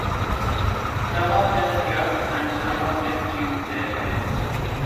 Some of them clubbed and some of them queued their hair.